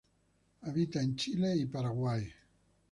Habita en Chile y Paraguay.